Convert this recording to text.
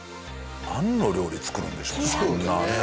なんの料理作るんでしょうね？